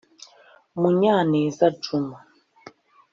Munyaneza Juma